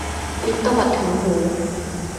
ลิ้นตวัดถึงหู